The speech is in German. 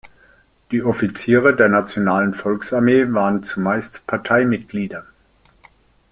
Die Offiziere der Nationalen Volksarmee waren zumeist Parteimitglieder.